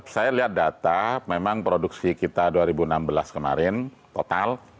saya lihat data memang produksi kita dua ribu enam belas kemarin total